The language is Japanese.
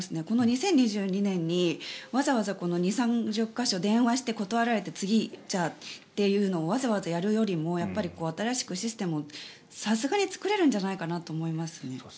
この２０２２年にわざわざ２０３０か所電話して断られて次、じゃあというのをわざわざやるよりも新しくシステムをさすがに作れるんじゃないかなと思いますね。